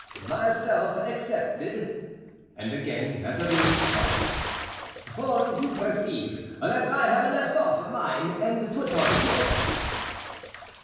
"Myself excepted," and again Mazarin smiled; "for you perceive that I have left off mine and put on yours."